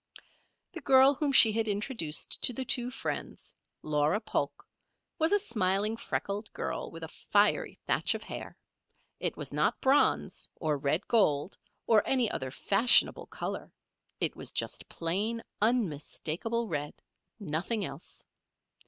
The girl whom she had introduced to the two friends, Laura Polk, was a smiling, freckled girl, with a fiery thatch of hair. It was not bronze, or red gold, or any other fashionable color. It was just plain, unmistakable red nothing else.